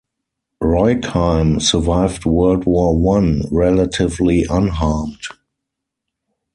Roigheim survived World War One relatively unharmed.